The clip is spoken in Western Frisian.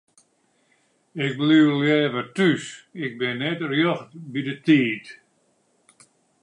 Ik bliuw leaver thús, ik bin net rjocht by de tiid.